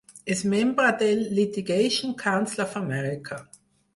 És membre del Litigation Counsel of America.